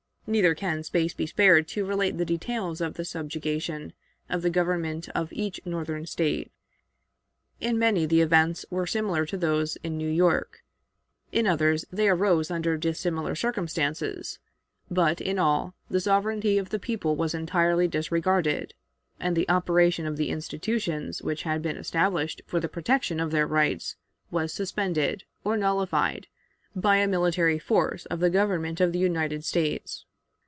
Neither can space be spared to relate the details of the subjugation of the government of each Northern State. In many the events were similar to those in New York; in others they arose under dissimilar circumstances; but, in all, the sovereignty of the people was entirely disregarded, and the operation of the institutions which had been established for the protection of their rights was suspended, or nullified, by a military force of the Government of the United States.